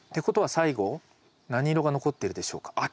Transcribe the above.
ことは最後何色が残ってるでしょうか？